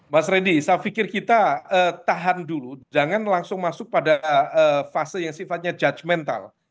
mas reddy saya pikir kita tahan dulu jangan langsung masuk pada fase yang sifatnya judgemental